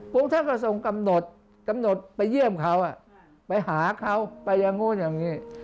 พวกท่านก็ทรงกำหนดกำหนดไปเยี่ยมเขาไปหาเขาไปอย่างนู้นอย่างนี้